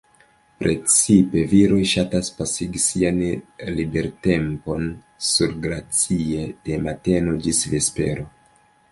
Precipe viroj ŝatas pasigi sian libertempon surglacie, de mateno ĝis vespero.